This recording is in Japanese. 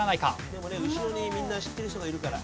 でもね後ろにみんな知ってる人がいるから。